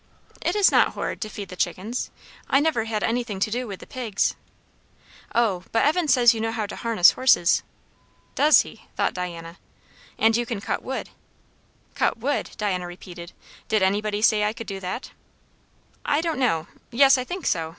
"It is not horrid to feed the chickens. I never had anything to do with the pigs." "O, but Evan says you know how to harness horses." Does he? thought Diana. "And you can cut wood?" "Cut wood!" Diana repeated. "Did anybody say I could do that?" "I don't know Yes, I think so.